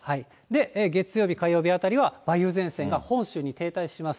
月曜日、火曜日あたりは梅雨前線が本州に停滞します。